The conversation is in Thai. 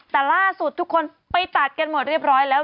แต่ล่าสุดทุกคนไปตัดกันหมดเรียบร้อยแล้ว